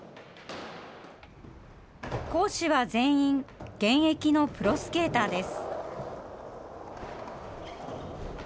講師は全員、現役のプロスケーターです。